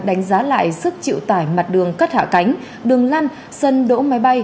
đánh giá lại sức chịu tải mặt đường cất hạ cánh đường lăn sân đỗ máy bay